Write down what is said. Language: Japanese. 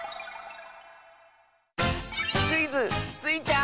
クイズ「スイちゃん」！